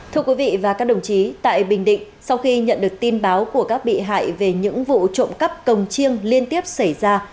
thưa quý vị và các đồng chí tại bình định sau khi nhận được tin báo của các bị hại về những vụ trộm cắp cồng chiêng liên tiếp xảy ra